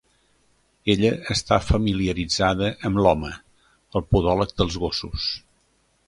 Ella està familiaritzada amb l"home, el podòleg dels gossos.